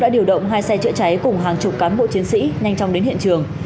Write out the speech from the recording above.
đã điều động hai xe chữa cháy cùng hàng chục cán bộ chiến sĩ nhanh chóng đến hiện trường